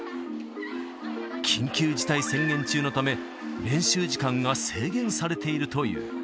緊急事態宣言中のため、練習時間が制限されているという。